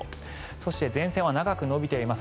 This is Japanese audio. そして前線は長く延びています。